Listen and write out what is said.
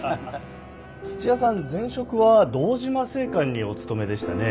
土屋さん前職は堂島製缶にお勤めでしたね。